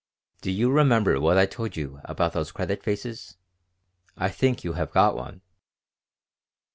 Do you remember what I told you about those credit faces? I think you have got one."